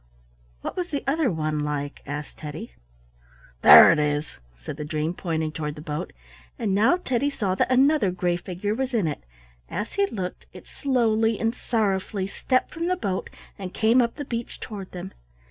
"What was the other one like?" asked Teddy. "There it is," said the dream, pointing toward the boat. And now Teddy saw that another gray figure was in it. As he looked, it slowly and sorrowfully stepped from the boat and came up the beach toward them.